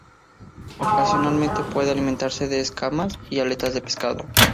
Ocasionalmente, puede alimentarse de escamas y aletas de pescado.